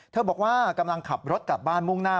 บอกว่ากำลังขับรถกลับบ้านมุ่งหน้า